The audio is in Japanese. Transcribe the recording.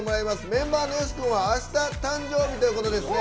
メンバーのヨシ君はあした、誕生日ということですね。